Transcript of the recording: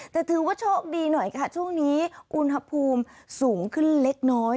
แต่ถือว่าโชคดีหน่อยค่ะช่วงนี้อุณหภูมิสูงขึ้นเล็กน้อย